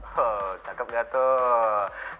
oh cakep nggak tuh